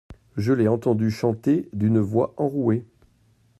Je l’ai entendu chanter d’une voix enrouée.